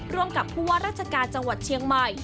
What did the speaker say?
ร่วมกับผู้ว่าราชการจังหวัดเชียงใหม่